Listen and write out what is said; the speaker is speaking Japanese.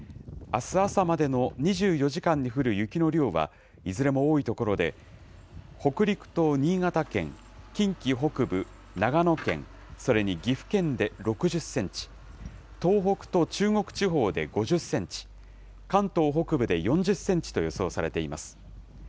あす朝までの２４時間に降る雪の量は、いずれも多い所で、北陸と新潟県、近畿北部、長野県、それに岐阜県で６０センチ、東北と中国地方で５０センチ、関東北部で４０センチと予想されています。